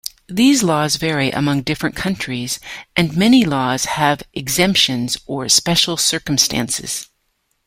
These laws vary among different countries and many laws have exemptions or special circumstances.